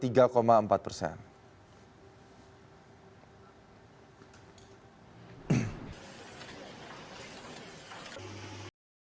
berita terkini mengenai cuaca ekstrem dua ribu dua puluh satu di indonesia